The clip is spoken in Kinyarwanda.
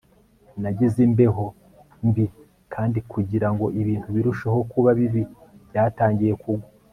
Nagize imbeho mbi kandi kugirango ibintu birusheho kuba bibi byatangiye kugwa